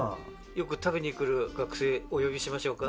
よく食べに来る学生お呼びしましょうか？